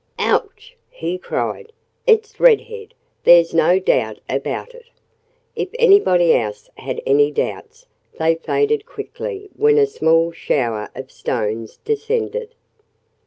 "Ouch!" he cried. "It's Red Head! There's no doubt about it." If anybody else had any doubts, they faded quickly when a small shower of stones descended.